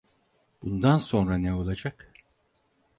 Bundan sonra ne olacak?